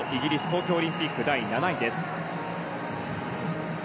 東京オリンピック第７位です。